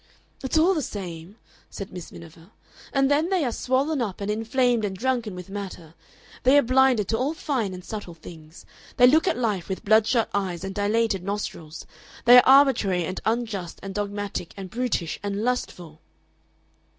"It's all the same," said Miss Miniver. "And then they are swollen up and inflamed and drunken with matter. They are blinded to all fine and subtle things they look at life with bloodshot eyes and dilated nostrils. They are arbitrary and unjust and dogmatic and brutish and lustful."